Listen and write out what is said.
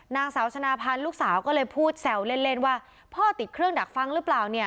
นางสาวชนะพันธ์ลูกสาวก็เลยพูดแซวเล่นว่าพ่อติดเครื่องดักฟังหรือเปล่าเนี่ย